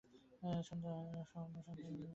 শুভ সন্ধ্যা Tiana, অসাধারণ party.